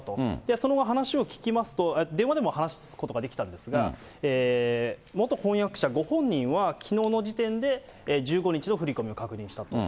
その後、話を聞きますと、電話でも話すことができたんですが、元婚約者ご本人は、きのうの時点で１５日の振り込みを確認したと。